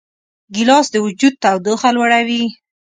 ګیلاس د وجود تودوخه لوړوي.